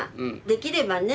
できればね